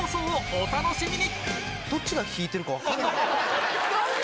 お楽しみに！